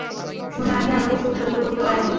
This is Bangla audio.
সুনয়নী আমাদের সুখ সহ্য করতে পারেনি।